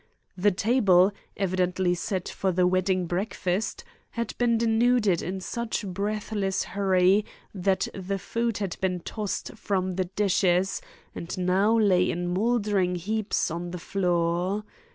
The table, evidently set for the wedding breakfast, had been denuded in such breathless hurry that the food had been tossed from the dishes and now lay in moldering heaps on the floor.